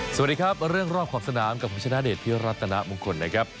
สวัสดีครับเรื่องรอบของสนามกับแฟชาณาเดชน์ที่รัตนามุงคลนะครับ